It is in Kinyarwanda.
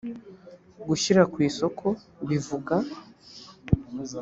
gushyira ku isoko bivuga